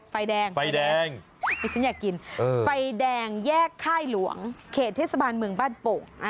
ไฟแดงไฟแดงดิฉันอยากกินไฟแดงแยกค่ายหลวงเขตเทศบาลเมืองบ้านโป่ง